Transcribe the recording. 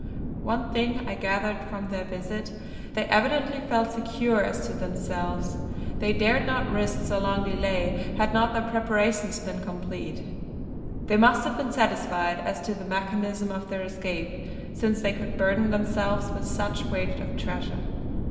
One thing I gathered from their visit; they evidently felt secure as to themselves. They dared not risk so long delay had not their preparations been complete; and they must have been satisfied as to the mechanism of their escape since they could burden themselves with such weight of treasure.